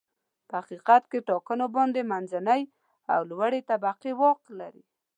په حقیقت کې ټاکنو باندې منځنۍ او لوړې طبقې واک لري.